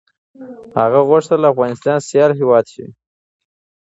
هغه غوښتل افغانستان سيال هېواد شي.